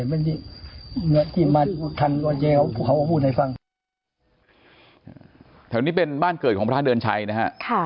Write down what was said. ไม่ได้ที่มาทำก็แย้วเขาก็พูดให้ฟังแถวนี้เป็นบ้านเกิดของพระธานเดิญชัยนะฮะ